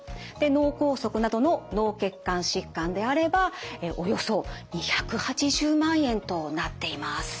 脳梗塞などの脳血管疾患であればおよそ２８０万円となっています。